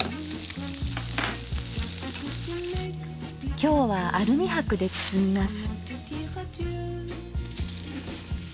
今日はアルミはくで包みます。